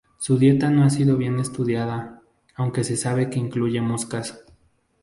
Su dieta no ha sido bien estudiada, aunque se sabe que incluye moscas.